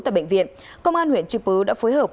tại bệnh viện công an huyện chư pứ đã phối hợp